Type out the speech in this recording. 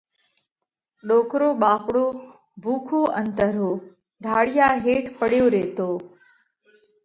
ڏوڪرو ٻاپڙو ڀُوکو ان ترهو، ڍاۯِيا هيٺ پڙيو ريتو۔